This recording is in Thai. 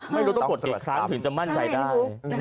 ไม่รู้ต้องกดกี่ครั้งถึงจะมั่นใจได้